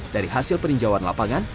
dari hasil peninjauan lapangan